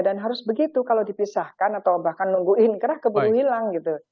dan harus begitu kalau dipisahkan atau bahkan nungguin kerah keburu hilang gitu